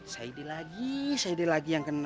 saidy lagi saidy lagi yang kena